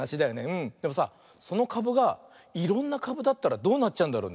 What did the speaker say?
でもさそのかぶがいろんなかぶだったらどうなっちゃうんだろうね？